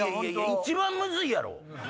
一番ムズいやろ。